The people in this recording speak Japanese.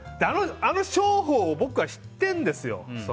あの商法を知ってるんですよ。